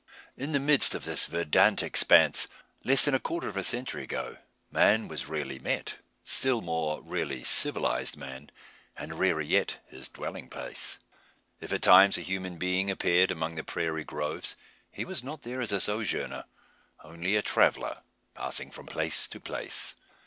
In the midst of this verdant expanse, less than a quarter of a century ago, man was rarely met; still more rarely civilised man; and rarer yet his dwelling place. If at times a human being appeared among the prairie groves, he was not there as a sojourner only a traveller, passing from place to place.